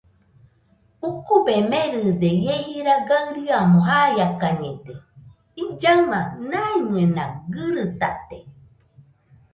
Ukube meride ie jira gaɨriamo jaiakañede; illaɨma maimɨena gɨritate